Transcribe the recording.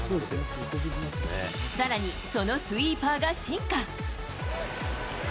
さらに、そのスイーパーが進化。